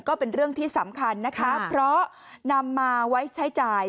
ก็เป็นเรื่องที่สำคัญนะคะเพราะนำมาไว้ใช้จ่าย